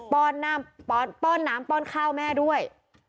ป้อนน้ำป้อนข้าวแม่ด้วย